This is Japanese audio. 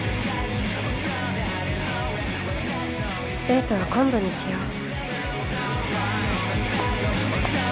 デートは今度にしよう。